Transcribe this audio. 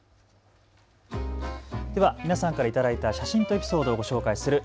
では皆さんから頂いた写真とエピソードを紹介する＃